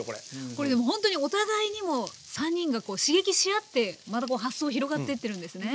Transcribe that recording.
これでも本当にお互いにもう３人が刺激し合ってまたこう発想広がってってるんですね。